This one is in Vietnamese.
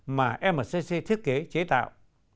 mà mcc thiết kế chế tạo